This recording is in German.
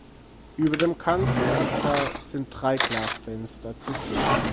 Über dem Kanzelaltar sind drei Glasfenster zu sehen.